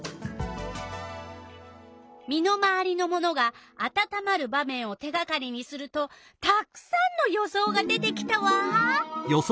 身の回りのものがあたたまる場面を手がかりにするとたくさんの予想が出てきたわ！